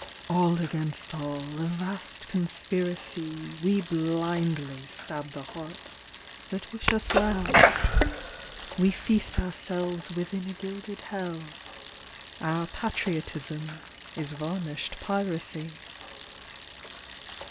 All against all, a vast conspiracy, We blindly stab the hearts that wish us well, We feast ourselves within a gilded Hell Our patriotism is varnished piracy.